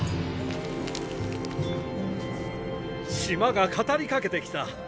島が語りかけてきた。